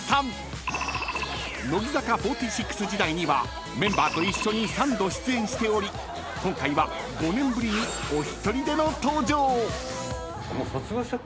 ［「乃木坂４６」時代にはメンバーと一緒に三度出演しており今回は５年ぶりにお一人での登場］